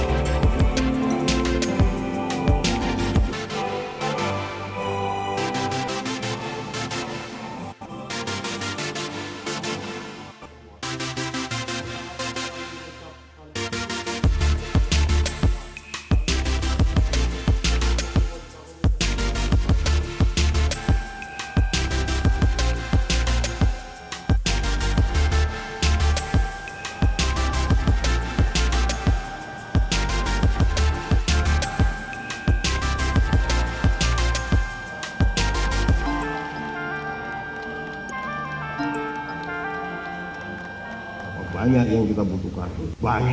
seiring dengan bertambahnya alutsisa kita